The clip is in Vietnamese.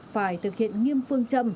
phải thực hiện nghiêm phương trợ